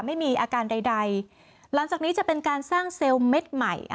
ไม่มีอาการใดหลังจากนี้จะเป็นการสร้างเซลล์เม็ดใหม่